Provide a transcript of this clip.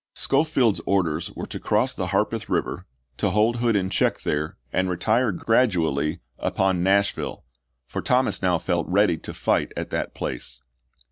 Schofield's orders were to cross the Harpeth Eiver, to hold Hood in check there, and retire gradually upon Nashville, for Thomas now felt ready to fight at that place.